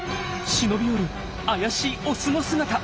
忍び寄る怪しいオスの姿。